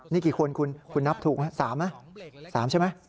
นี่กี่คนคุณนับถูกไหม๓ไหม๓ใช่ไหม